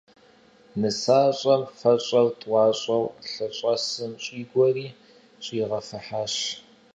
Нысащӏэм фэщӏэр тӏуащӏэу лъэщӏэсым щӏигуэри щӏигъэфыхьащ.